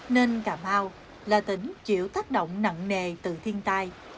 nên cà mau là tỉnh chịu tác động nặng nề từ thiên tai